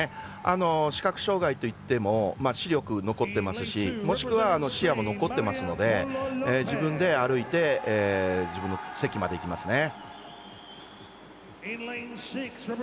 視覚障がいといっても視力、残ってますしもしくは視野も残ってますので自分で歩いて自分の席まで行きますね。